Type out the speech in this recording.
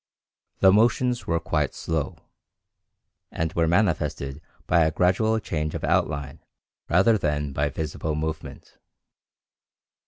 The motions were quite slow, and were manifested by a gradual change of outline rather than by visible movement.